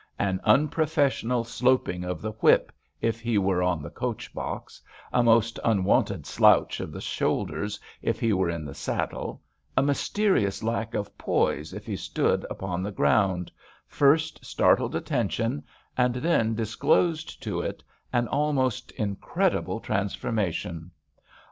An unprofessional sloping of the whip if he were on the coach box, a most unwonted slouch of the shoulders if he were in the saddle, a mys terious lack of poise if he stood upon the B 17 HAMPSHIRE VIGNETTES ground, first startled attention, and then disclosed to it an almost incredible trans formation.